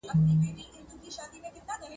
ښځه یو ډول څاروی دی چي